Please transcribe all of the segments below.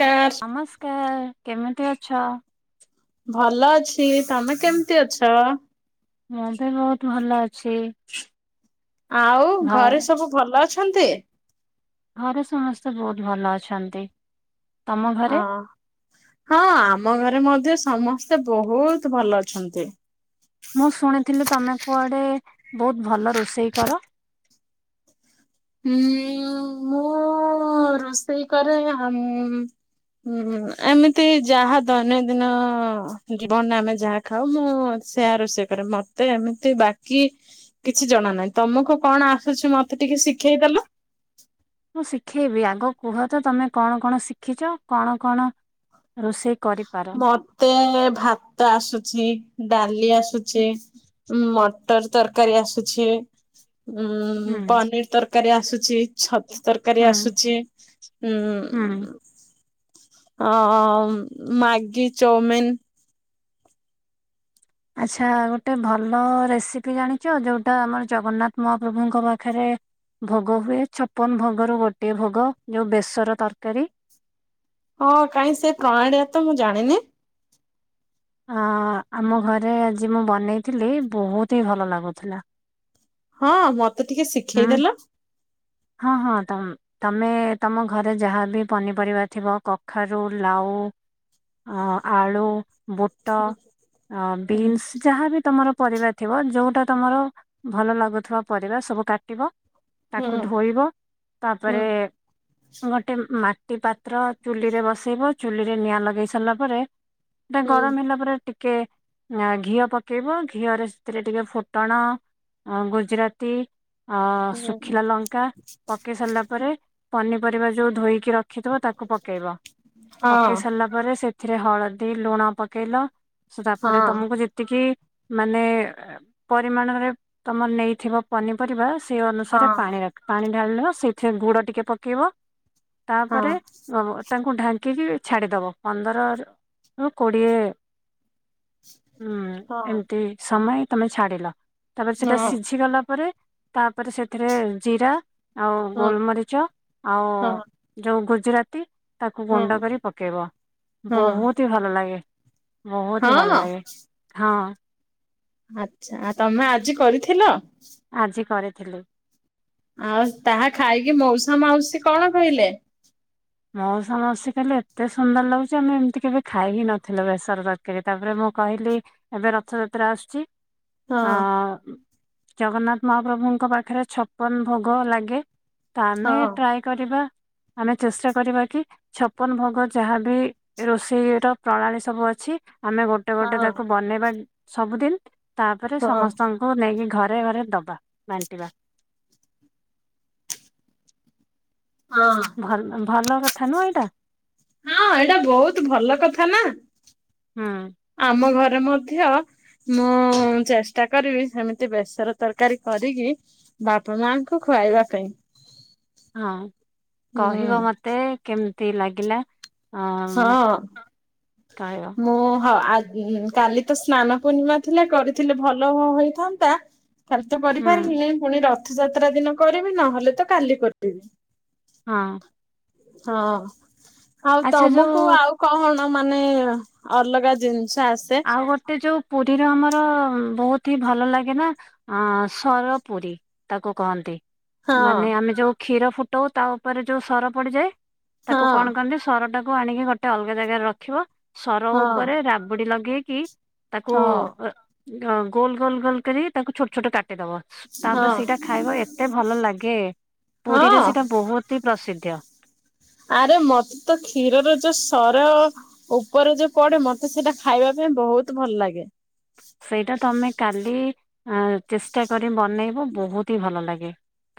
Car ନମସ୍କାର କେମିତି ଅଛ? ଭଲ ଅଛି। ତମେ କେମିତି ଅଛ? ମୁଁ ବି ବହୁତ ଭଲ ଅଛି। ଆଉ ଘ ଘରେ ସବୁ ଭଲ ଅଛନ୍ତି? ଘରେ ସମସ୍ତେ ବହୁତ ଭଲ ଅଛନ୍ତି। ତମ ହଁ ଘରେ? -ହଁ ଆମ୍ ଆମ ଘରେ ମଧ୍ୟ ସମସ୍ତେ ବହୁତ ଭଲ ଅଛନ୍ତି। ମୁଁ ଶୁଣିଥିଲି ତମେ କୁଆଡେ ବହୁତ ଭଲ ରୋଷେଇ କର। ହୁଁ- ମୁଁ। ରୋଷେଇ କରେ। ଉଁ ହୁଁ ଏମିତି ଯାହା ଦୈନନ୍ଦିନ ଜୀବନରେ ଆମେ ଯାହା ଖାଉ। ମୁଁ ସେୟା ରୋଷେଇ କରେ ମତେ ଏମିତି ବାକି କିଛି ଜଣ ନାହିଁ? ତମକୁ କଣ ଆସୁଛି? ମତେ ଟ ଟିକେ ଶିଖେଇଦେଲ। ମୁଁ ଶିଖେଇବି, ଆଗ କୁହ ତ ତମେ କଣ କଣ ଶିଖିଛ? କଣ କଣ ରୋଷେଇ କରିପାର? ମତେ ଭାତ ଆସୁଛି, ଡା ଲି ହୁଁ ଆସୁଛି, ମଟର ତରକାରୀ ଆସୁଛି ଉଁ ହୁଁ ପନିର ତରକାରୀ ଆସୁଛି, ଛ ତରକାରୀ ଆସୁଛି ହୁଁ। ହୁଁ। ଅ ମ୍ୟାଗି, ଚଉମିନ୍ ଆଚ୍ଛା ଗୋଟେ ଭଲ ରେସିପି ଜାଣିଛ? ଯୋଉଟା ଆମର ଜଗନ୍ନାଥ ମହାପ୍ରଭୁଙ୍କ ପାଖରେ ଭୋଗ ହୁଏ ଛପନ ଭୋଗରୁ ଗୋଟିଏ ଭୋଗ, ଯୋଉ ବେସର ତରକାରୀ। ହଁ କାହିଁ ସେ ପ୍ରଣାଣିଆ ତ ମୁଁ ଜାଣିନି। ଅ ଆମ ଘରେ ଆଜି ମୁଁ ବନେଇଥିଲି, ବହୁତ ହିଁ ଭଲ ଲାଗୁଥିଲା। ହଁ ମତେ ଟିକେ ହୁଁ ଶିଖେଇଦେଲ। -ହଁ -ହଁ ତମ ତମେ ତମ ଘରେ ଯାହାବି ପନିପରିବା ଥିବ। କଖାରୁ, ଲାଉ ଅ ଆଳୁ, ବୁଟ, ହୁଁ ବିନ୍ସ ଯାହା ବି ତମର ପରିବା ଥିବ ଯୋଉଟା ତମର ଭଲ ଲାଗୁଥିବା, ପରିବା ସବୁ କାଟିବ। ହୁଁ ତାକୁ ଧୋଇବ। ହୁଁ ତାପରେ ଗୋଟେ ମା ଟି ପାତ୍ର ଚୁଲିରେ ବସେଇବ, ଚୁଲିରେ ନିଆଁ ଲଗେଇ ସାରିଲା ପରେ, ହୁଁ ଗରମ ହେଲା ତାପରେ ଟିକେ ଅ ଘିଅ ପକେଇବ, ଘିଅରେ ସେଥିରେ ଟିକେ ଫୁଟଣ ଅ ଗୁଜୁରାତି ଅ ହୁଁ ଶୁଖିଲା ଲଙ୍କା ପକେଇ ସାରିଲା ପରେ, ପନିପରିବା ଯୋଉ ଧୋଇକି ର ରଖିଥିବ ତାକୁ ପକେଇବ। ହଁ ପକେଇ ସାରିଲା ପରେ ସେଥିରେ ହଳଦୀ ଲୁଣ ପକେଇଲ ସୋଉଟୁ ହଁ ତାପରେ ତମକୁ ଯେତିକି ମାନେ ପରିମାଣରେ ତମର ନେଇଥିବା ପନିପରିବା ସେ ଅନୁସାରେ ହଁ ପାଣି, ପାଣି ଢାଳି ଦେବ। ସେଇଥିରେ ଗୁଡ ଟିକେ ପକେଇବ ହଁ ତାପରେ ତାଙ୍କ ଢାଙ୍କିକି ଛାଡ଼ିଦେବ। ପନ୍ଦରରୁ କୋଡ଼ିଏ ହୁଁ ହଁ ଏମିତି ସମୟ ତମେ ଛାଡିଲ ତାପରେ ସେଟା ହଁ ସିଝି ଗଲା ପରେ, ତା ତାପରେ ସେଥିରେ ଜିରା ଆଉ ହଁ ଗୋଲମରିଚ ଆଉ ହଁ ଯୋଉ ଗୁଜ୍ ଗୁଜୁରାତି ତାକୁ ହଁ ଗୁଣ୍ଡ କରି ପକେଇବ ହଁ ବହୁତ୍ ଇ ଭଲ ଲାଗେ। ବହୁତ୍ ଇ ଭଲ ହଁ ଲାଗେ ହଁ। ଆଚ୍ଛା ଆ ତମେ ଆଜି କରିଥିଲ? ଆଜି କରିଥିଲି। ଆଉ ତାହା ଖାଇକି ମଉସା ମାଉସୀ କଣ କହିଲେ? ମଉସା ମାଉସୀ କହିଲେ ଏତେ ସୁନ୍ଦର ଲାଗୁଚି ଆମେ ଏମିତି କେବେ ଖାଇ ହି ନଥିଲୁ ବେସର ତରକାରୀ ତାପରେ ମୁଁ କହିଲି ଏବେ ରଥଯାତ୍ରା ଆସୁଚି ହଁ ଆ ଜଗନ୍ନାଥ ମହାପ୍ରଭୁଙ୍କ ପାଖରେ ଛପନ ଭୋଗ ଲାଗେ। ତ ହଁ। ଆମେ ଟ୍ରାଏ କରିବା ଆମେ ଚେଷ୍ଟା କରିବା କି ଛପନ ଭୋଗ ଯାହାବି ରୋଷେଇ ର ପ୍ରଣାଳୀ ସବୁ ଅଛି ଆମେ ଗୋଟେ ଗୋଟେ ହଁ ତାକୁ ବନେଇବା ସବୁଦିନ ତାପରେ ହଁ ସମସ୍ତଙ୍କୁ ନେଇକି ଘର୍ ଘରେ ଘରେ ଦବା ବାଣ୍ଟିବା। ହଁ ଭଲ ଭଲ କଥା ନୁହଁ ଏଇଟା? ହଁ ଏଇଟା ବହୁତ ଭଲ କଥା ନା ହୁଁ ଆମ ଘର୍ ରେ ମଧ୍ୟ ମୁଁ ଉଁ ଉଁ ଚେଷ୍ଟା କରିବି ସେମିତି ବେସର ତରକାରୀ କରିକି ବାପା ମାଙ୍କୁ ଖୁ ଖୁଆଇବା ପାଇଁ। ହଁ ହୁଁ କହିବ ମତେ କେମତି ଲାଗିଲା। ହଁ କହିବ ମୁଁ ହଁ ଆ ଉଁ କାଲି ତ ସ୍ନାନ ପୂର୍ଣ୍ଣିମା ଥିଲା କରିଥିଲେ ଭଲ ହୋ ହେଇଥାନ୍ତା। କାଲି ତ ହୁଁ କରିପାରିଲିନି ପୁଣି ରଥଯାତ୍ରା ଦିନ କରିବି ନହେଲେ ତ କାଲି କରିଦେବି। ହଁ। ହଁ ଆଉ ଆଚ୍ଛା ଯୋଉ ତମକୁ ଆଉ କହଣ ଆ ମାନେ ଅଲଗା ଜିନଷ ଆଉ ଗୋଟେ ଯୋଉ ପୁରୀର ଆମର ର ବହୁତ ହି ଭଲ ଲାଗେ ନା ଅଁ ସର ପୁରୀ ତାକୁ କହନ୍ତି। ହଁ ମାନେ ଆମେ ଯୋଉ କ୍ଷୀର ଫୁଟଉ ତା ଉପରେ ଯୋଉ ସର ପଡିଯାଏ। ହଁ ତାକୁ କଣ କରନ୍ତି ସର ଟାକୁ ଆଣିକି ଗୋଟେ ଅଲଗା ଜାଗାରେ ରଖିବ। ସର ହଁ ଉପରେ ରାବୁଡି ଲଗେଇ ଗେଇକି ତାକୁ ହଁ ଅଁ ଗୋଲ ଗୋଲ ଗୋଲ କରି ତାକୁ ଛୋଟ ଛୋଟ କାଟ୍ ଦେଦବ। ତାପରେ ହଁ ସେଇଟା ଖାଇବା ଏତେ ଭଲ ଲାଗେ। ପୁରୀରେ ହଁ ସେଇଟା ବହୁତ ହି ପ୍ରସିଦ୍ଧ୍। [unintelligible] ଆରେ ମତେ ତ କ୍ଷୀରର ଯୋଉ ସର ଓ ଉପରେ ଯୋଉ ପଡେ ମତେ ସେଟା ଖାଇବା ପାଇଁ ବହୁତ ଭଲ ଲାଗେ। ସେଇଟା ତମେ କାଲି ଅଁ ଚେଷ୍ଟା କରି ବନେଇବ ବହୁତ ହି ଭଲ ଲାଗେ।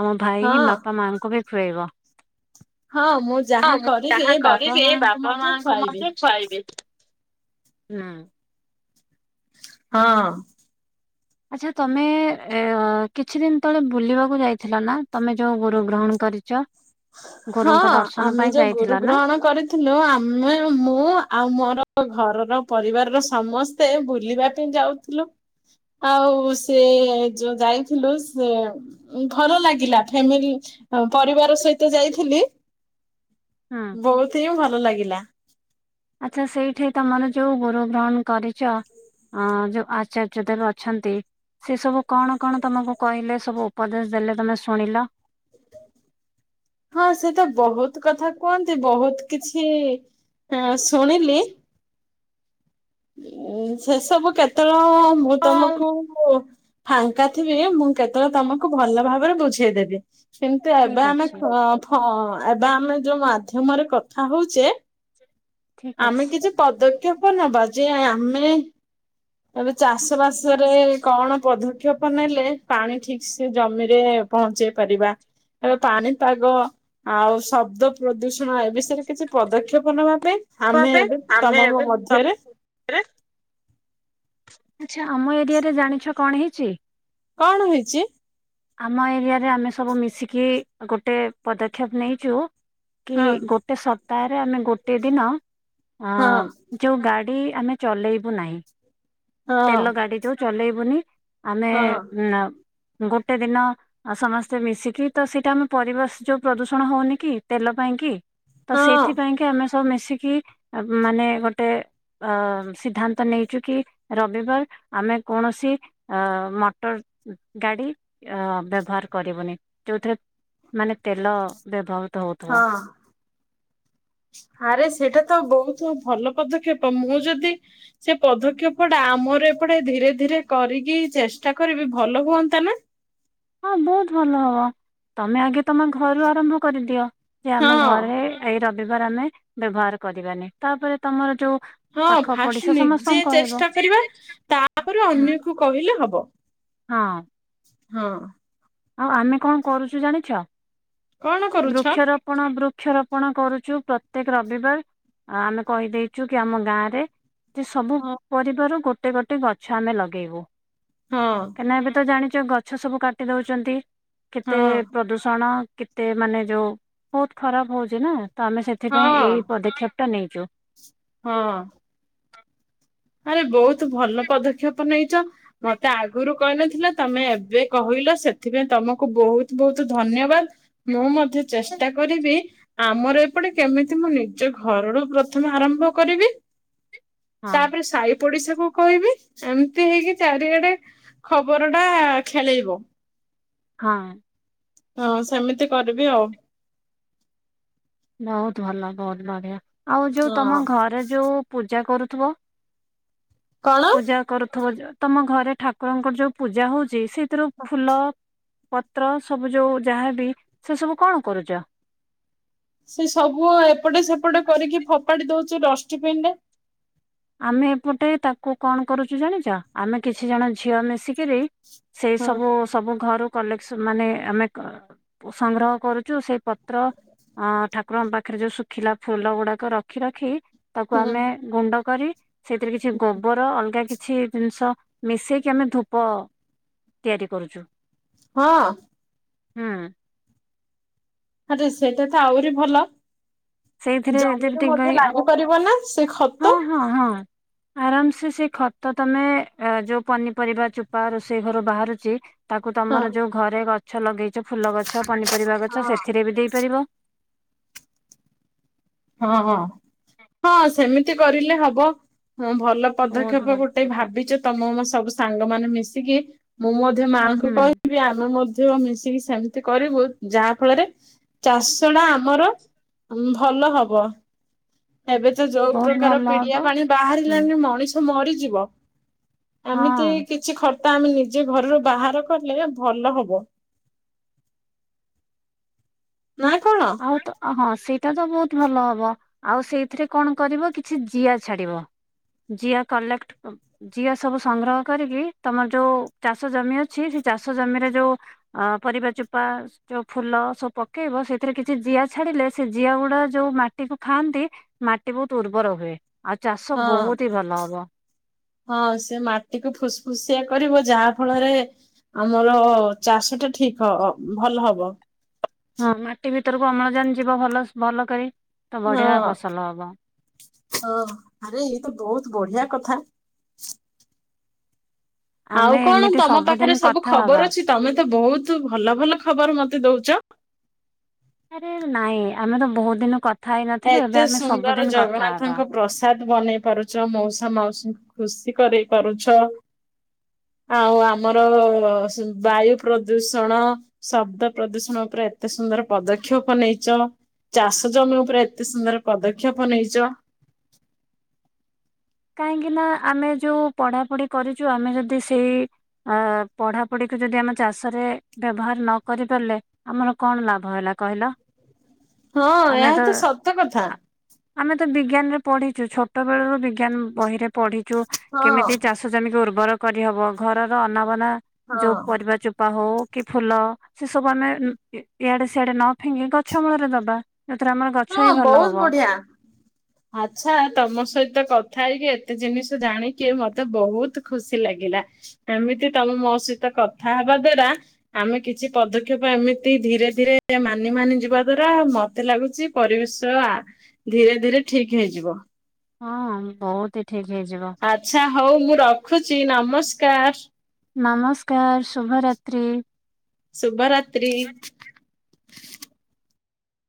ତମ ଭାଇକି ହଁ ବାପା ମାଆଙ୍କୁ ବି ଖୁଆଇବ। ହଁ ମୁଁ ଯାହା ହଉ ମୁଁ କରିବି ଯାହା ବାପା କରିବି ମାଙ୍କୁ ବାପା ମଧ୍ୟ ମାଆଙ୍କୁ ଖୁଆଇବି। ମଧ୍ୟ ଖୁଆଇବି। ହୁଁ। ହଁ। ଆଚ୍ଛା ତମେ ଏଁ ଅ କିଛି ଦିନ ତଳେ ବୁଲିବାକୁ ଯାଇଥିଲ ନା ତମେ ଯୋଉ ଗୁରୁ ଗ୍ରହଣ କରିଚ? ହଁ ଆମେ ଯୋଉ ଗୁରୁ ନା ଗ୍ରହଣ କରିଥିଲୁ ଆମେ ମୁଁ ଆଉ ମୋର ଘର ର ପରିବାର ର ସମସ୍ତେ ବୁଲିବା ପେଇଁ ଯାଉଥିଲୁ। ଆଉ ସେ ଯୋଉ ଯାଇଥିଲୁ ସେ ଭଲ ଲାଗିଲା ଫ୍ୟାମିଲି ପରିବାର ସହିତ ଯାଇଥିଲି ହୁଁ ବହୁତ ହିଁ ଭଲ ଲାଗିଲା। ଆଚ୍ଛା ସେଇଠି ତମର ଯୋଉ ଗୁରୁ ଗ୍ରହଣ କରିଚ ଅଁ ଯୋଉ ଆଚାର୍ଯ୍ୟ ଦେବ ଅଛନ୍ତି ସେ ସବୁ କଣ କଣ ତମକୁ କହିଲେ ସବୁ ଉପଦେଶ ଦେଲେ ତମେ ଶୁଣିଲ? ହଁ ସେ ତ ବହୁତ କଥା କୁହନ୍ତି ବହୁତ କିଛି ହେଁ ଶୁଣିଲି ଉଁ ସେସବୁ କେତେବେଳ ମୁଁ ତମକୁ ଫାଙ୍କା ଥିବି ମୁଁ କେତେବେଳେ ତମକୁ ଭଲ ଭାବରେ ବୁଝେଇଦେବି। କିନ୍ତୁ ଠିକ ଏବେ ଆମେ ଅଛି ଏବେ ଆମେ ଯୋଉ ମାଧ୍ୟମରେ କଥା ହଉଛେ ଠିକ ଆମେ ଅଛି। କିଛି ପଦକ୍ଷେପ ନବା ଯେ ଆମେ ଚାଷ ବାସ ରେ କଣ ପ କ୍ଷପ ନେଲେ ପାଣି ଠିକ ସେ ଜମିରେ ପହଞ୍ଚେଇ ପାରିବା ଏବେ ପାଣିପାଗ ଆଉ ଶବ୍ଦ ପ୍ରଦୂ ହଁ ଏ ବିଷୟରେ କିଛି ପଦକ୍ଷେପ ନେବା ପାଇଁ ଆମେ ଏବେ ଆମେ ତମ ଏବେ ମଧ୍ୟରେ ଆଛା ଆମ ଏରିଆ ରେ ଜାଣିଛ କଣ ହେଇଛି? କଣ ହେଇଚି? ଆମ ଏରିଆରେ ଆମେ ସବୁ ମିଶିକି ଗୋଟେ ପଦକ୍ଷେପ ନେଇଚୁ କି ହଁ ଗୋଟେ ସପ୍ତାହରେ ଆମେ ଗୋଟେ ଦିନ ଅ ହଁ ଯୋଉ ଗା ଇ ଆମେ ଚଲେଇବୁ ନାଇ। ହଁ ତେଲ ଗାଡି ଯୋଉ ଚଲେଇବୁନି ଆମେ ହଁ ଉଁ ନାଉ ଗୋଟେ ଦିନ ଅ ସମସ୍ତେ ମିଶିକି ତ ସେଇଟା ଆମେ ପରିବେଶ ଯୋଉ ପ୍ରଦୂଷଣ ହଉନି କି ତେଲ ପାଇଁ କି ତ ହଁ ସେଇଥିପାଇଁ କି ଆମେ ସ ସବୁ ମିଶିକି ମାନେ ଗୋଟେ ଅ ସିଦ୍ଧାନ୍ତ ନେଇଚୁ କି ରବିବାର ଆମେ କୌଣସି ଆ ମଟର ଗାଡ଼ି ଆ ବ୍ୟବ କରିବନି ଯୋଉଥିରେ ମାନେ ତେଲ ବ୍ୟବହୃତ ହଉଥିବ। ହଁ ଆରେ ସେଇଟା ତ ବହୁତ ଭଲ ପଦକ୍ଷେପ ମୁଁ ଯଦି ସେ ପଦକ୍ଷେପ ଟା ଆମ ମୋର ଏପଟେ ଧୀରେ ଧୀରେ କରିକି ଚେଷ୍ଟା କରିବି ଭଲ ହୁଅନ୍ତା ନା ହଁ ବହୁତ ଭଲ ହବ ତମେ ଆଗେ ତମ ଘରୁ ଆରମ୍ଭ କରିଦିଅ। ସେ ଆମ ହଁ। ଘରେ ଏଇ ରବିବାର ଆମେ ବ୍ୟବହାର କରିବାନି ତାପରେ ତମର ଯୋଉ ହଁ ପାଖ ଫାଷ୍ଟ ପଡିଶା ନିଜେ ସମସ୍ତଙ୍କୁ କହିବ ଚେଷ୍ଟା କରିବା ତାପରେ ଅନ୍ୟକୁ କହିଲେ ହବ। ହଁ। ହଁ। ଆଉ ଆମେ ଙ୍କ କରୁଚୁ ଜାଣିଛ କଣ କରୁଛ? ବୃକ୍ଷରୋପଣ ବୃକ୍ଷରୋପଣ କରୁଚୁ ପ୍ରତ୍ୟେକ ରବିବାର ଆମେ କହିଦେଇଚୁ କି ଆମ ଗାଁରେ ସବୁ ହଁ ପରିବାର ଗୋଟେ ଗୋଟେ ଗଛ ଆମେ ଲଗେଇବୁ ହଁ କାହିଁକିନା ଏବେ ତ ଯଉ ଗଛ ସବୁ କାଟି ଦଉଚନ୍ତି କେତେ ପ୍ରଦୂଷଣ ତେ ମାନେ ଯୋଉ ବହୁତ ଖରାପ ହଉଚି ନା ତ ଆମେ ହଁ ସେଥିପାଇଁ ଏଇ ପଦକ୍ଷେପ ଟା ନେ [inaudible] ହଁ। ଆରେ ବହୁତ ଭଲ ପଦକ୍ଷେପ ନେଇଚ ମତେ ଆଗରୁ କହିନଥିଲା ତମେ ଏବେ କହି ହିଲ ସେଥିପାଇଁ ତମକୁ ବହୁତ ବହୁତ ଧନ୍ୟବାଦ ମୁଁ ମ୍ ଜଉ ଚେଷ୍ଟା କରିବି ଆମର ସେପଟେ କେମିତି ମୁଁ ନିଜ ଘର ରୁ ପ୍ରଥମେ ଆରମ୍ଭ କରିବି? ହଁ ତାପରେ ସଇ ପଡିଶା କୁ କହିବି ଏମତି ହେଇକି ଚାରିଆଡେ ଖବର ଟା ଖେଳେଇବ। ହଁ। ହଁ ସେମିତି କରିବି ଆଉ। ବହୁତ ଭଲ ବହୁତ ବଢିଆ ଆଉ ଯୋଉ ତମ ହଁ ଘର ଯୋଉ ପୂଜା କରୁଥିବ କଣ? ପୂଜା କରୁଥିବ ଯ ତମ ଘରେ ଠାକୁରଙ୍କର ଯୋଉ ପୂଜା ହଉଚି ସେଇଥିରୁ ଫୁଲ ପତ୍ର ସବୁ ଯୋଉ ଯାହାବି ସେ ସବୁ କଣ କରୁଚ? ସେ ସବୁ ଏପଟେ ସେପଟେ କରିକି ଫୋପାଡି ଦଉଚି ଡଷ୍ଟବିନ ରେ। ଆମେ ଏପଟେ ତାକୁ କଣ କରୁଚୁ ଜାଣିଚ ଆମେ କିଛି ଜଣ ଝିଅ ମିଶି ରେ ସେଇ ହଁ। ସବୁ ସବୁ ଘର କଲେକ୍ସନ ମାନେ ଆମେ କ ପ ସଂଗ୍ରହ କରୁଛୁ ସେଇ ପତ୍ର ଅ ଠାକୁରଙ୍କ ପା ପାଖରେ ଯୋଉ ଶୁଖିଲା ଫୁଲ ଗୁଡାକ ରଖି ରଖି ତାକୁ ହୁଁ ଆମେ ଗୁଣ୍ଡ। କରି ସେଥିରେ କିଛି ଗୋବର ଅଲଗା କିଛି ଜିନିଷ ମିଶେଇକି ଆମେ ଧୂପ। ତିଆରି କରୁଛୁ। ହଁ। ହୁଁ। ଆରେ ସେଇଟା ତ ଆହୁରି ଭଲ ସେଇଥିରେ ଜମିରୁ ଯେମିତି ଗାଈ ମଧ୍ୟ ଲାଗିପାରିବ ନା। ସେ ଖତ ହଁ ହଁ ହଁ। ଆରାମ ସେ ସେ ଖତ ତମେ ଏ ଯୋଉ ପନିପରିବା ଚୁପା ରୋଷେଇ ଘରୁ ବାହାରୁଛି। ତାକୁ ହଁ ତମର ଯଉ ଘରେ ଗଛ ଲଗେଇଛ ଫୁଲ ଗଛ ପନିପରିବା ଗଛ ହଁ। ସେଥିରେ ବି ଦେଇପାରିବ। ହଁ ହଁ ହଁ ସେମିତି କରିଲେ ହବ। ହଁ ଭଲ ବହୁତ ପଦକ୍ଷେପ ଭଲ ଗୋଟେ ସେଟା। ଭାବିଛ ତମ ମୋ ସବୁ ସାଙ୍ଗ ମାନେ ମିଶିକି ମୁଁ ମୋ ମାଆଙ୍କୁ ହୁଁ କହିବି ଆମେ ମ ମଧ୍ୟ ମିଶିକି ସେମିତି କରିବୁ ଯାହା ଫଳରେ ଚାଷ ଟା ଆମର। ଉଁ ଭଲ ହବ। ଏବେ ତ ଯୋଉ ବହୁତ ପ୍ରକାର ଭଲ ପିଡିଆ ହବ ପାଣି ହୁଁ ବାହାରିଲାନି ମଣିଷ ମରିଯିବ। ଏମିତି ହଁ କିଛି ଖର ତ ଆମେ ନିଜେ ଘରରୁ ବାହାର କଲେ ଭଲ ହବ। ନା କଣ? ଆଉ ତ ଅ ହଁ। ସେଇଟା ତ ବହୁତ ଭଲ ହବ ଆଉ ସେଇଥିରେ କଣ କରିବ କିଛି ଜିଆ ଛାଡିବ। ଜିଆ କଲେକ୍ଟ ଅ ଜିଆ ସବୁ ସଂଗ୍ରହ କରିକି ତମର ଯୋଉ ଚାଷ ଜମି ଅଛି ଚାଷ ଜମିରେ ଯୋଉ ଅ ପରିବା ଚୋପା ଯୋଉ ଫୁଲ ସବୁ ପକେଇବ ସେ ସେଥିରେ କିଛି ଜିଆ ଛାଡିଲେ ସେ ଜିଆ ଗୁଡା ଯୋଉ ମାଟିକୁୁ ଖାଆନ୍ତି ମାଟି ବହୁତ ଉର୍ବର ହୁଏ। ଆଉ ଚାଷ ହଁ ବହୁତ ହି ଭଲ ହବ। ହଁ ସେ ମାଟିକୁ ଫୁସଫୁସିଆ କରିବ ଯାହା ଫଳରେ। ଆମର ଚାଷ ଟା ଠିକ ହ ଅ ଭଲ ହବ। ହଁ ମାଟି ଭିତରକୁ ଅମ୍ଳଜାନ ଯିବ ଭଲ ସ ଭଲ କରି। ତ ହଁ ବଢିଆ ଫସଲ ହବ ହଁ ଆରେ ଏଇ ତ ବହୁତ ବଢିଆ। କଥା। ଆଉ ଆମେ କଣ ଏମିତି ତମ ପାଖରେ ସବୁଦିନ ସବୁ କଥା ହବା ଖବର ଅଛି ତମେ ଏତେ ବହୁତୁ ଭଲ ଭଲ ଖବର ମତେ ଦଉଛ। ଆରେ ନାଇଁ ଆମେ ତ ବହୁତ ଦିନ କ ଏତେ ସୁନ୍ଦର ହବା ଜଗନ୍ନାଥଙ୍କ ପ୍ରସା ବନେଇ ପାରୁଛ ମଉସା ମାଉସୀଙ୍କୁ ଖୁସି କରେଇ ପାରୁଛ। ଆଉ ଆମର ସ ବାୟୁ ପ୍ରଦୂଷଣ ଶବ୍ଦ ପ୍ରଦୂଷଣ ଉପ ଏତେ ସୁନ୍ଦର ପଦକ୍ଷେପ ନେଇଛ ଚାଷ ଜମି ଉପରେ ଏତେ ସୁନ୍ଦର ପଦକ୍ଷେପ ନେଇଛ। କାହିଁକି ନା ଆମେ ଯୋଉ ପଢାପଢି କରିଛୁ ଆମେ ଯଦି ସେଇ ଅ ପଢାପଢି କୁ ଯଦି ଆମେ ଚାଷରେ ବ୍ୟବହାର ନ କରି ପାରିଲେ ଆମର କଣ ଲାଭ ହେଲା କହିଲ? ହଁ ଆମେ ଏହା ତ ସତ କଥା ଆ ଆମେ ତ ବି ବିଜ୍ଞାନରେ ପଢିଛୁ ଛୋଟ ବେଳୁ ବିଜ୍ଞାନ ବହିରେ ପଢିଛୁ ହଁ କେମିତି ଚାଷକୁ ଜମି ଉର୍ବର। କରିହବ ଘରର ଅନାବନା ହଁ ଯୋଉ ପରିବା ଚୋପା ହଉ। କି ଫୁଲ ସେ ସବୁ ଆମେ ଉଁ ଇ ଇଆଡେ ସିଆଡେ ନ ଫିଙ୍ଗି ଗଛ ମୂଳରେ ଦବା। ଯୋଉଥିରେ ଆମର ଗଛ ହଁ ହିଁ ଭଲ ବହୁତ ହବ ବଢିଆ ଆଚ୍ଛା ତମ ସହିତ କ କଥା ହେଇକି ଏତେ ଜିନିଷ ଜାଣିକି ମତେ ବହୁତ ଖୁସି ଲାଗିଲା ଏମିତି ତମେ ମୋ ସହିତ କଥା ହବା ଦ୍ଵାରା ଆମେ କିଛି ପଦକ୍ଷେପ ଏମିତି ଧୀରେ ଧୀରେ ମାନି ମାନି ଯିବା ଦ୍ଵାରା ଆଉ ମତେ ଲାଗୁଛି ପରିବେଶ ଆ ଧୀରେ ଧୀରେ ଠିକ ହେଇଯିବ। ହଁ ବହୁତ ଠିକ ହେଇଯିବ ଆଚଛା ହଉ ମୁଁ ରଖୁଚି ନମସ୍କାର। ନମସ୍କାର, ଶୁଭରାତ୍ରି। ଶୁଭ ରାତ୍ରି।